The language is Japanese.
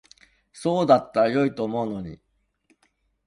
そうだったら良いと思うのに。